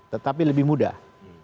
tetapi lebih mudah